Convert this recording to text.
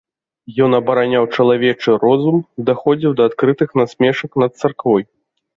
Ён абараняў чалавечы розум, даходзіў да адкрытых насмешак над царквой.